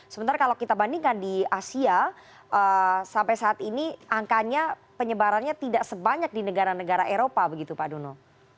sementara kalau kita bandingkan di asia sampai saat ini angkanya penyebarannya tidak sebanyak di negara negara eropa begitu pak dono